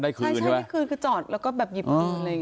ได้คืนใช่ไหมใช่ใช่ได้คืนคือจอดแล้วก็แบบหยิบอื่นอะไรอย่างเงี้ย